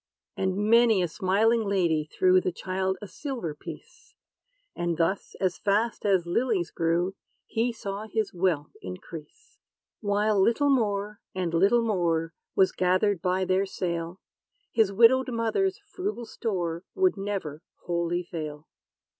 And many a smiling lady threw The child a silver piece; And thus, as fast as lilies grew, He saw his wealth increase. While little more and little more, Was gathered by their sale, His widowed mother's frugal store Would never wholly fail.